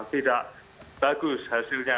tidak bagus hasilnya